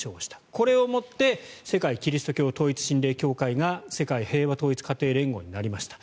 これをもって世界基督教統一神霊協会が世界平和統一家庭連合になりました。